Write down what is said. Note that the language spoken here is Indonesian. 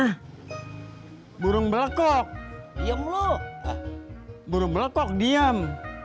hai burung belkok diam lu burung belkok diam